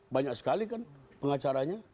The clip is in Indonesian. banyak sekali kan pengacaranya